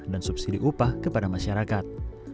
dan subsidi upah kepada masyarakat